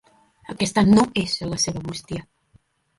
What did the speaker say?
Aquesta no és la seva bústia.